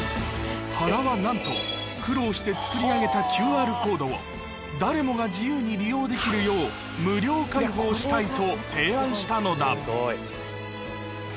原は、なんと苦労して作り上げたＱＲコードを、誰もが自由に利用できるよう無料開放したいと提案したのだ。